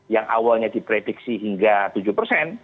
yang awalnya diprediksi hingga tujuh persen